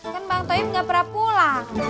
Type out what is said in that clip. kan bang toim gak pernah pulang